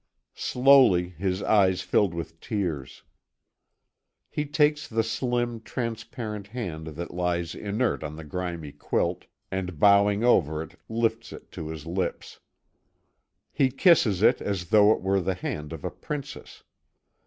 Slowly his eyes fill with tears. He takes the slim, transparent hand that lies inert on the grimy quilt, and bowing over it lifts it to his lips. He kisses it as though it were the hand of a princess.